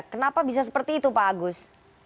kenapa bisa seperti itu pak agus